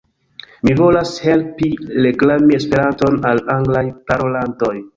Mi volas helpi reklami Esperanton al anglaj parolantoj